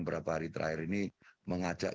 beberapa hari terakhir ini mengajak